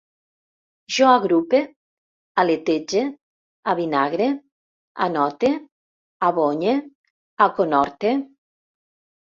Jo agrupe, aletege, avinagre, anote, abonye, aconhorte